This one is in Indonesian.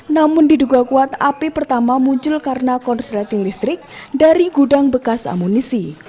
namun diduga kuat api pertama muncul karena konsleting listrik dari gudang bekas amunisi